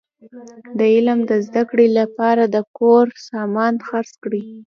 د علم د زده کړي له پاره د کور سامان خرڅ کړئ!